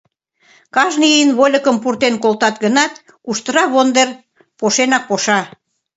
Кажне ийын вольыкым пуртен колтат гынат, куштыра вондер пошенак поша.